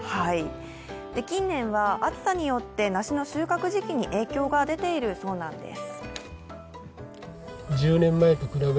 近年は暑さによって梨の収穫時期に影響が出ているそうなんです。